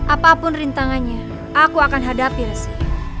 apapun rintangannya aku akan hadapi resi